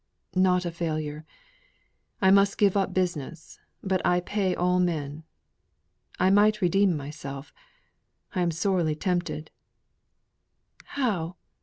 "Not a failure. I must give up business, but I pay all men. I might redeem myself I am sorely tempted " "How?